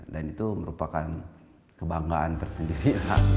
dan itu merupakan kebanggaan tersendiri